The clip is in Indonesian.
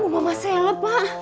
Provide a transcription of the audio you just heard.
mama seleb pak